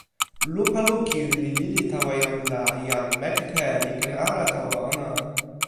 lupa lukin li lili tawa jan la, jan Mekeke li ken ala tawa ona.